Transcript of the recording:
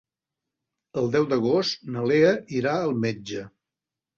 El deu d'agost na Lea irà al metge.